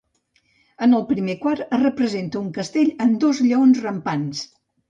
En el primer quart es representa un castell amb dos lleons rampants.